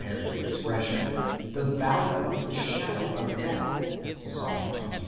the expression " the valley of the shadow of death" (Ps. xxiii. 4).